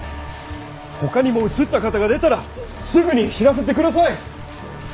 ほかにもうつった方が出たらすぐに知らせて下さい。